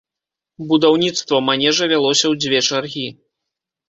Будаўніцтва манежа вялося ў дзве чаргі.